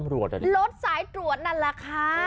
รถสายตรวจหนั้นล่ะค่ะ